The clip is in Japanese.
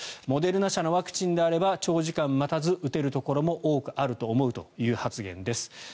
モデルナ社のワクチンであれば長時間待たず打てるところも多くあると思うという発言です。